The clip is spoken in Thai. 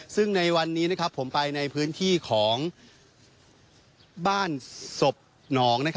ซึ่งในวันนี้ผมไปในพื้นที่ของบ้านศพหนอง